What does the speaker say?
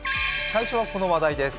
最初は、この話題です。